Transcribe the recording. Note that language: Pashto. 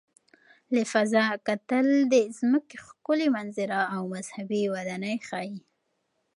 له فضا کتل د ځمکې ښکلي منظره او مذهبي ودانۍ ښيي.